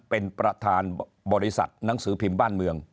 เป็นประธานบริษัทหนังสือพิมพ์บ้านเมือง